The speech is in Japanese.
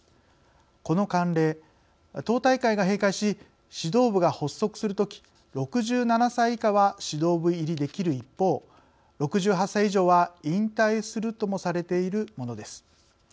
この慣例、党大会が閉会し指導部が発足するとき６７歳以下は指導部入りできる一方６８歳以上は引退するともされているものです。